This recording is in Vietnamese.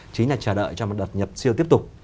chính là chờ đợi cho một đợt nhập siêu tiếp tục